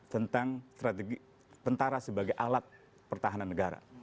tentang strategi tentara sebagai alat pertahanan negara